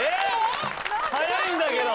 早いんだけど。